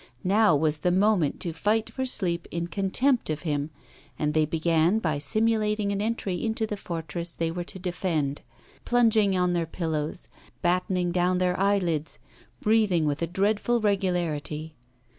Now was the moment to fight for sleep in contempt of him, and they began by simulating an entry into the fortress they were to defend, plunging on their pillows, battening down their eyelids, breathing with a dreadful regularity.